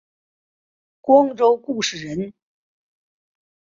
光州固始人。